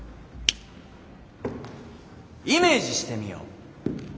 イメージしてみよう。